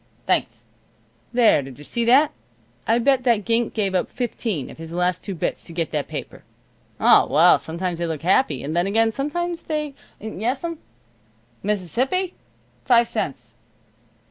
Thanks. There, did you see that? I bet that gink give up fifteen of his last two bits to get that paper. O, well, sometimes they look happy, and then again sometimes they Yes'm. Mississippi? Five cents.